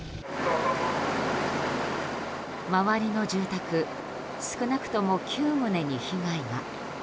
周りの住宅少なくとも９棟に被害が。